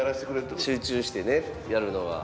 集中してねやるのが。